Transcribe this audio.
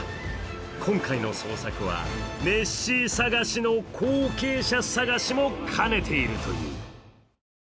今回の捜索はネッシー探しの後継者探しも兼ねているという。